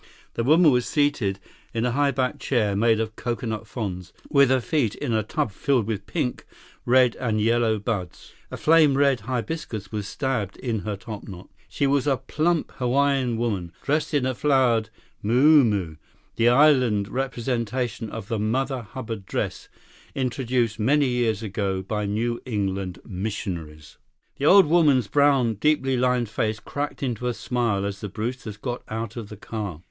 The woman was seated in a high backed chair, made of coconut fronds, with her feet in a tub filled with pink, red, and yellow buds. A flame red hibiscus was stabbed in her topknot. She was a plump Hawaiian woman, dressed in a flowered muumuu the island adaptation of the mother hubbard dress introduced many years ago by New England missionaries. The old woman's brown, deeply lined face cracked into a smile as the Brewsters got out of the car.